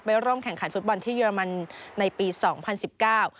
ร่วมแข่งขันฟุตบอลที่เรมันในปีสองพันสิบเก้า